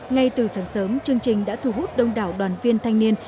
ngay từ sáng sớm chương trình đã thu hút đông đảo đoàn viên thanh niên